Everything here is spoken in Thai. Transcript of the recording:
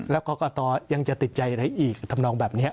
แล้วกรกตยังจะติดใจอะไรอีกทำนองแบบนี้